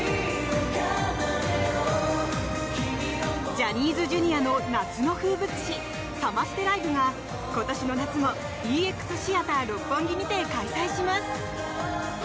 ジャニーズＪｒ．の夏の風物詩サマステライブが今年の夏もＥＸＴＨＥＡＴＥＲＲＯＰＰＯＮＧＩにて開催します。